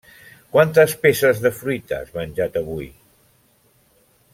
Quantes peces de fruita has menjat avui?